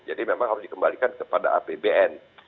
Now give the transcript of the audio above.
jadi memang harus dikembalikan kepada apbn